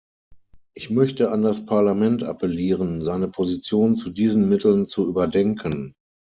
Ich möchte an das Parlament appellieren, seine Position zu diesen Mitteln zu überdenken.